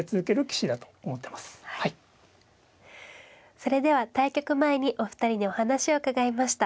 それでは対局前にお二人にお話を伺いました。